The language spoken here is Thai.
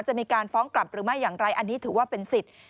จะมีการฟ้องกลับหรือไม่อย่างไรอันนี้ถือว่าเป็นสิทธิ์